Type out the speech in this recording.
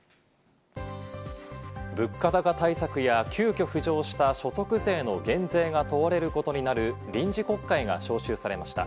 物価高対策や急きょ浮上した所得税の減税が問われることになる、臨時国会が召集されました。